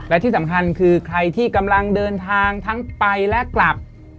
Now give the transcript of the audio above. และที่สำคัญคือใครที่กำลังเดินทางทั้งไปและกลับ